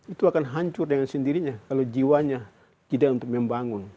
itu akan hancur dengan sendirinya kalau jiwanya tidak untuk membangun